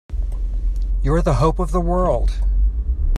You're the hope of the world!